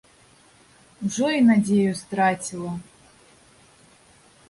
Ужо і надзею страціла.